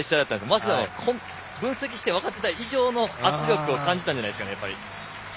早稲田は分析して分かっていた以上の圧力を感じたんじゃないですかね。